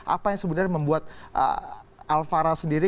apa yang sebenarnya membuat alvara sendiri